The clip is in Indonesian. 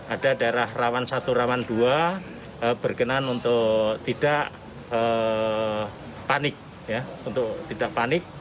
ada daerah rawan satu rawan dua berkenan untuk tidak panik